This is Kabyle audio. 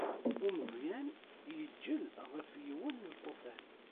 Umeẓyan, yeǧǧel ɣef yiwen n lṭufan.